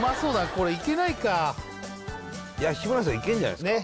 これいけないか日村さんいけんじゃないですか？